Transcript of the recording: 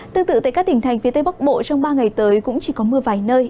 tương tự tại các tỉnh thành phía tây bắc bộ trong ba ngày tới cũng chỉ có mưa vài nơi